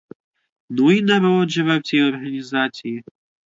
Ну й народ же в цій організації!